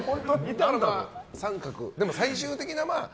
△、でも最終的な。